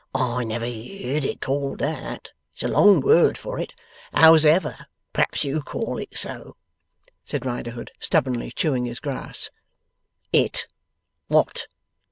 'I never heerd it called that. It's a long word for it. Hows'ever, p'raps you call it so,' said Riderhood, stubbornly chewing his grass. 'It. What?